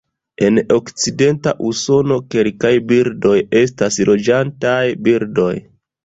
En okcidenta Usono, kelkaj birdoj estas loĝantaj birdoj.